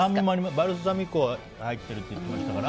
バルサミコ酢が入ってるって言ってましたから。